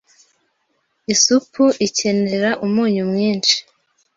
Isupu ikenera umunyu mwinshi.